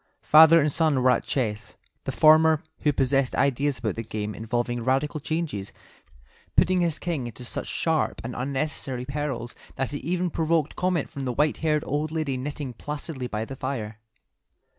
Father and son were at chess, the former, who possessed ideas about the game involving radical changes, putting his king into such sharp and unnecessary perils that it even provoked comment from the white haired old lady knitting placidly by the fire.